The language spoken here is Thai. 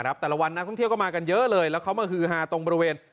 แต่ละวันนักท่องเที่ยวก็มากันเยอะเลยแล้วเขามาฮือฮาตรงบริเวณ